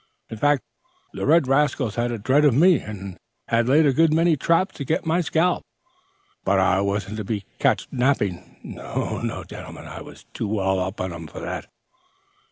In fact, the red rascals had a dread of me, and had laid a good many traps to get my scalp, but I wasn't to be catched napping. No, no, gentlemen, I was too well up to 'em for that.